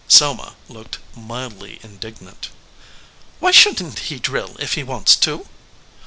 Selma looked mildly indignant. "Why shouldn t he drill if he wants to?"